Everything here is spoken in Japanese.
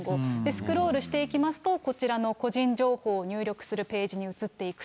スクロールしていきますと、こちらの個人情報を入力するページに移っていくと。